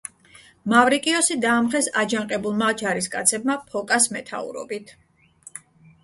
მავრიკიოსი დაამხეს აჯანყებულმა ჯარისკაცებმა ფოკას მეთაურობით.